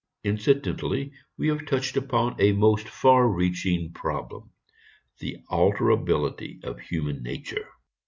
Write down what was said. III Incidentally we have touched upon a most far reaching problem: The alterability of human nature.